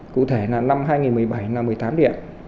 cụ thể là năm hai nghìn một mươi bảy là một mươi tám điểm